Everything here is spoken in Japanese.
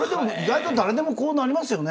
誰でもこうなりますよね